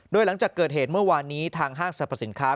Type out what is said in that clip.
โดยหลังจากเกิดเหตุเมื่อวานนี้ทางห้างสรรพสินค้า